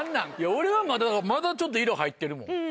俺はまだまだちょっと色入ってるもん。